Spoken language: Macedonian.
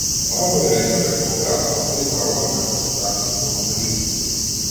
Морам да ви речам дека во градот постои заговор на картографи и филателисти.